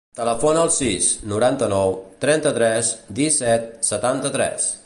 Telefona al sis, noranta-nou, trenta-tres, disset, setanta-tres.